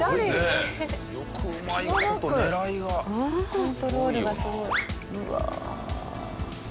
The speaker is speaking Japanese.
コントロールがすごい。